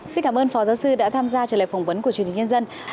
xin cảm ơn phó giáo sư đã tham gia trả lời phỏng vấn của truyền hình nhân dân